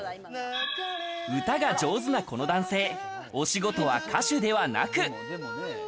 歌が上手な子の男性、お仕事は歌手ではなく。